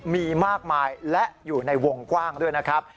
มีมากมายและอยู่ในวงกว้างด้วยนะครับ